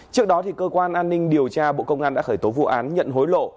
trước đó cơ quan an ninh điều tra bộ công an đã khởi tố vụ án nhận hối lộ